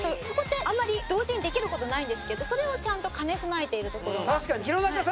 そこってあんまり同時にできる事ないんですけどそれをちゃんと兼ね備えているところが。